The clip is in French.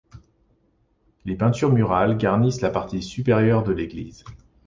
Les peintures murales garnissent la partie supérieure de l'église.